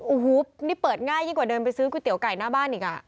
โอ้โหนี่เปิดง่ายยิ่งกว่าเดินไปซื้อก๋วเตี๋ไก่หน้าบ้านอีกอ่ะ